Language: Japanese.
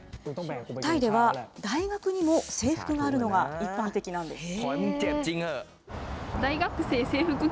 タイでは、大学にも制服があるのが一般的なんです。